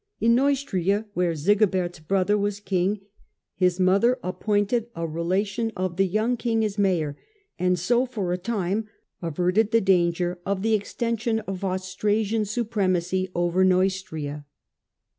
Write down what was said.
In Neustria, where Sigibert's brother was king, his mother appointed a relation of the young king as mayor, and so, for a time, averted the danger of the extension of Austrasian supremacy over Neustria.